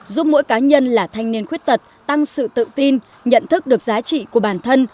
giúp mỗi cá nhân là thanh niên khuyết tật tăng sự tự tin nhận thức được giá trị của bản thân